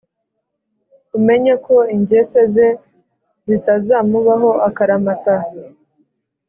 umenye ko ingese ze zitazamubaho akaramata